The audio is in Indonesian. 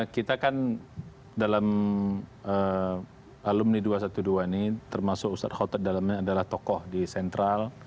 kita kan dalam alumni dua ratus dua belas ini termasuk ustadz khotot dalam ini adalah tokoh di sentral